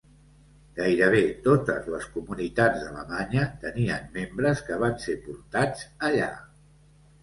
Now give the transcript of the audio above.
Gairebé totes les comunitats d'Alemanya tenien membres que van ser portats allà.